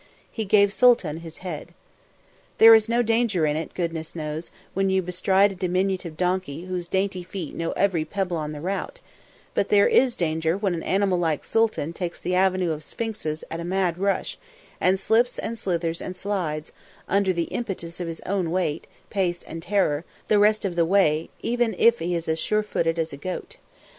He gave Sooltan his head. There is no danger in it, goodness knows, when you bestride a diminutive donkey whose dainty little feet know every pebble on the route, but there is danger when an animal like Sooltan takes the Avenue of Sphinxes at a mad rush and slips and slithers and slides, under the impetus of his own weight, pace and terror, the rest of the way, even if he is as sure footed as a goat.